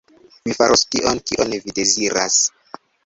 Mi faros tion, kion vi deziras.